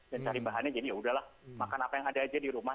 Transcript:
dan cari bahannya jadi ya udahlah makan apa yang ada aja di rumah